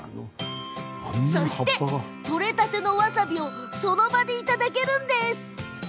そして、取れたてのわさびをその場でいただけるんです。